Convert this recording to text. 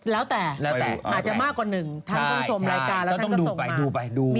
ลาวแต่ผลักจะมากกว่าหนึ่งท่านต้องชมรายการแล้วท่านต้องส่งมา